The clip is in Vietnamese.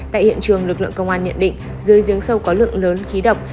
tại hiện trường lực lượng công an nhận định dưới giếng sâu có lượng lớn khí độc